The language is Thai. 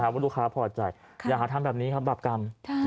เพื่อให้ลูกค้าพอใจอยากจะทำแบบนี้ครับบับกรรม